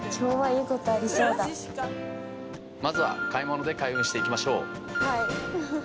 まずは買い物で開運していきましょう。